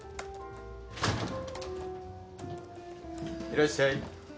・いらっしゃい。